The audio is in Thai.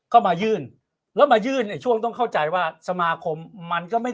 ก็มายื่นแล้วมายื่นในช่วงต้องเข้าใจว่าสมาคมมันก็ไม่